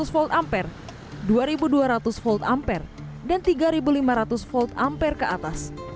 seribu tiga ratus v amper dua ribu dua ratus v amper dan tiga ribu lima ratus v amper ke atas